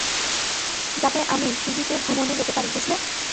যাতে আমি ফিজিতে ভ্রমণে যেতে পারি, বুঝলে?